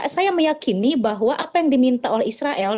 saya meyakini bahwa apa yang diminta oleh israel